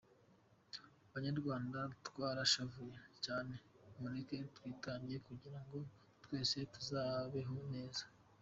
Banyarwanda twarashavuye cyane, mureke twitange kugirango twese tuzabeho neza.